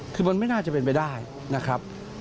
คือมันไม่น่าจะเป็นไปได้นะครับ